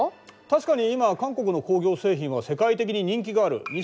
確かに今韓国の工業製品は世界的に人気がある。